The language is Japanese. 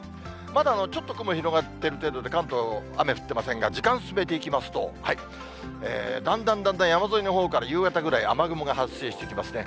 まだちょっと雲広がっている程度で、関東、雨降っていませんが、時間進めていきますと、だんだんだんだん山沿いのほうから、夕方ぐらい、雨雲が発生してきますね。